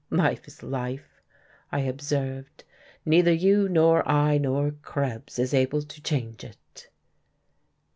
"Life is life," I observed. "Neither you nor I nor Krebs is able to change it."